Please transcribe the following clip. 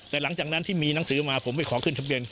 แต่หลังจากนั้นที่มีหนังสือมาผมไปขอขึ้นทะเบียน